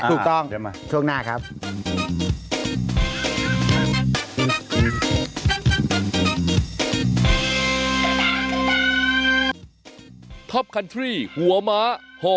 ถูกต้องช่วงหน้าครับเดี๋ยวมา